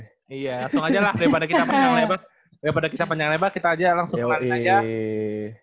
iya langsung aja lah daripada kita panjang lebat kita langsung kemarin aja